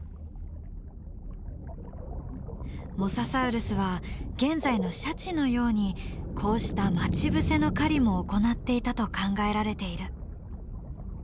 モササウルスは現在のシャチのようにこうした待ち伏せの狩りも行っていたと考えられている。